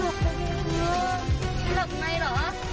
หลับไปหรือ